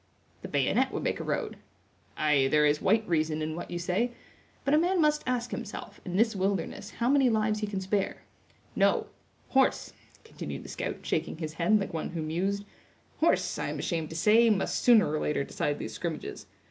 "The bayonet would make a road." "Ay, there is white reason in what you say; but a man must ask himself, in this wilderness, how many lives he can spare. No—horse," continued the scout, shaking his head, like one who mused; "horse, I am ashamed to say must sooner or later decide these scrimmages.